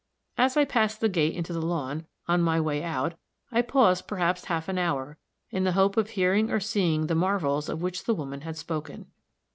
As I passed the gate into the lawn, on my way out, I paused perhaps half an hour, in the hope of hearing or seeing the marvels of which the woman had spoken.